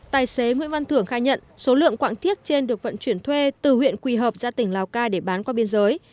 tài xế nguyễn văn thưởng khai nhận số lượng quạng thiết trên được vận chuyển thuê từ huyện quỳ hợp ra tỉnh lào cai để bán qua biên giới